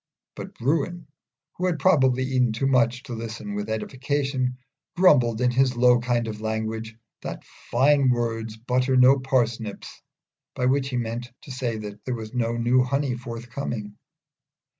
But Bruin, who had probably eaten too much to listen with edification, grumbled in his low kind of language, that "Fine words butter no parsnips," by which he meant to say that there was no new honey forthcoming.